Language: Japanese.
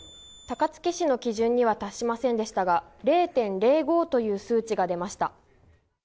高槻市の基準には達しませんでしたが、０．０５という数値が出ました。